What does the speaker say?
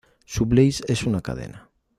Su Blaze es una cadena.